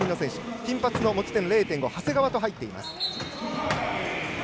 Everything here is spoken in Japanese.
金髪の持ち点０．５長谷川と入っています。